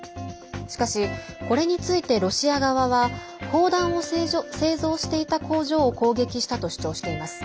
しかし、これについてロシア側は砲弾を製造していた工場を攻撃したと主張しています。